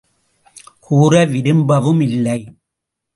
கூற விரும்பவும் இல்லை.